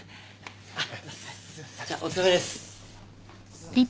じゃあお疲れさまです。